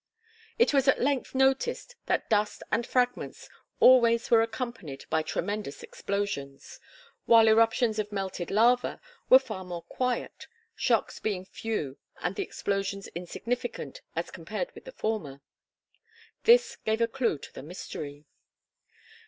It was at length noticed that dust and fragments always were accompanied by tremendous explosions; while eruptions of melted lava were far more quiet, shocks being few and the explosions insignificant as compared with the former. This gave a clue to the mystery.